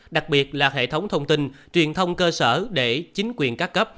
đặc biệt là hệ thống thông tin truyền thông cơ sở để chính quyền các cấp